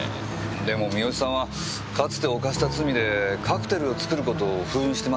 でも三好さんはかつて犯した罪でカクテルを作る事を封印してます。